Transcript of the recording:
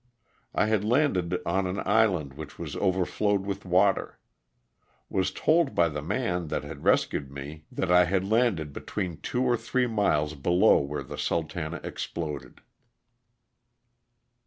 I had landed on an island which was overflowed with water. Was told by the man that had rescued me that I had 278 LOSS OF THE SULTANA. landed between two or three miles below where the '« Sultana" exploded.